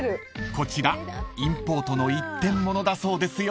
［こちらインポートの一点物だそうですよ］